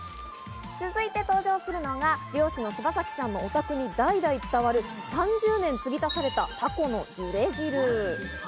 続いて登場するのが漁師の柴崎さんのお宅に代々伝わる、３０年継ぎ足されたタコのゆで汁。